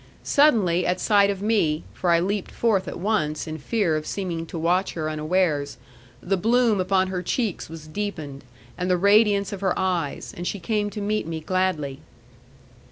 Suddenly at sight of me, for I leaped forth at once, in fear of seeming to watch her unawares, the bloom upon her cheeks was deepened, and the radiance of her eyes; and she came to meet me gladly.